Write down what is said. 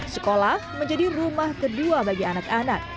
sekolah menjadi rumah kedua bagi anak anak